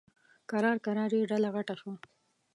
کرار کرار یې ډله غټه شوه.